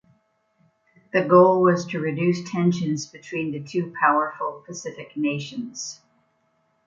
The goal was to reduce tensions between the two powerful Pacific nations.